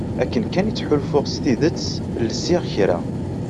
Akken kan i ttḥulfuɣ s tidet lsiɣ kra.